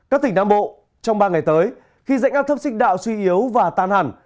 các tỉnh nam bộ trong ba ngày tới khi dạnh áp thấp xích đạo suy yếu và tan hẳn